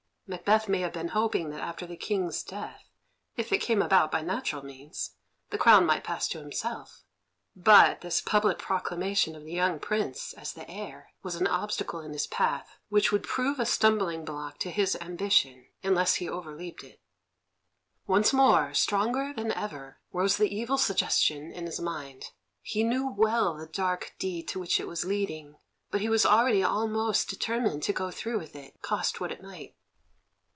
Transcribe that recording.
Macbeth may have been hoping that after the King's death, if it came about by natural means, the crown might pass to himself. But this public proclamation of the young Prince as the heir was an obstacle in his path which would prove a stumbling block to his ambition, unless he overleaped it. Once more, stronger than ever, rose the evil suggestion in his mind. He knew well the dark deed to which it was leading, but he was already almost determined to go through with it, cost what it might.